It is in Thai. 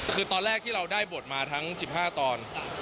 คือตอนแรกที่เราได้บทมาทั้ง๑๕ตอน